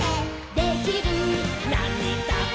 「できる」「なんにだって」